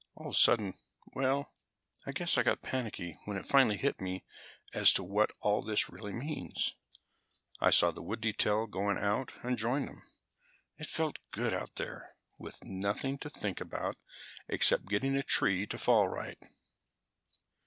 All of a sudden well, I guess I got panicky when it finally hit me as to what all this really means. I saw the wood detail going out and joined them. It felt good out there, with nothing to think about except getting a tree to fall right."